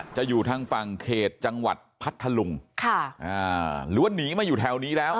อยู่ทางฝั่งเขตจังหวัดพัทธลุงค่ะอ่าหรือว่าหนีมาอยู่แถวนี้แล้ว